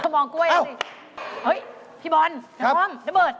มองกล้วยเอาสิเฮ่ยพี่บอลน้ำบ่องน้ำเบิร์ด